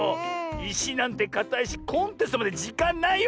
いしなんてかたいしコンテストまでじかんないよ。